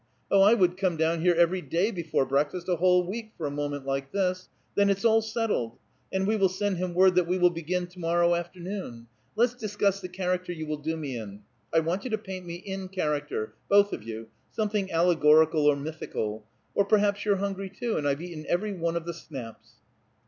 Oh, I would come down here every day before breakfast a whole week, for a moment like this! Then it's all settled; and we will send him word that we will begin to morrow afternoon. Let's discuss the character you will do me in. I want you to paint me in character both of you something allegorical or mythical. Or perhaps you're hungry, too! And I've eaten every one of the snaps."